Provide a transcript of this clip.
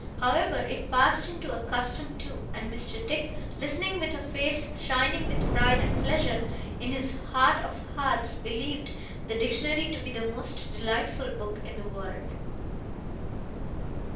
However, it passed into a custom too; and Mr. Dick, listening with a face shining with pride and pleasure, in his heart of hearts believed the Dictionary to be the most delightful book in the world.